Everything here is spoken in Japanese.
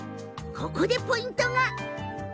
ここでポイントが。